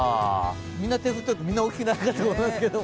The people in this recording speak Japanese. みんな手を振っているとみんな沖縄かと思いますけど。